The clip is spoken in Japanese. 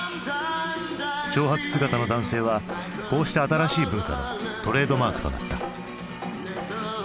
長髪姿の男性はこうした新しい文化のトレードマークとなった。